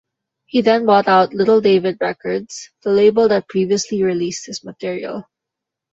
He then bought out Little David Records, the label that previously released his material.